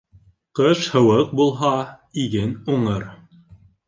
Ҡыш һыуыҡ булһа, иген уңыр.